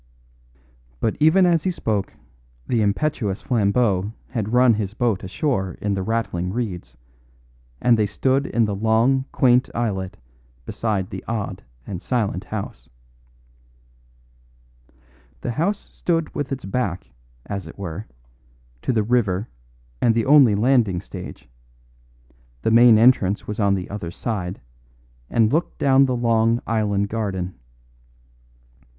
But even as he spoke the impetuous Flambeau had run his boat ashore in the rattling reeds, and they stood in the long, quaint islet beside the odd and silent house. The house stood with its back, as it were, to the river and the only landing stage; the main entrance was on the other side, and looked down the long island garden.